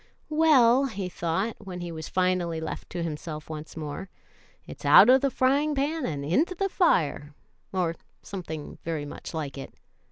"Well," he thought, when he was finally left to himself once more, it's out of the frying pan and into the fire,' or something very much like it.